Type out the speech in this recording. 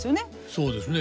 そうですね。